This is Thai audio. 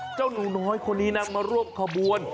เจ้าหนุ่งน้อยคนนี้นักมาร่วมขบวน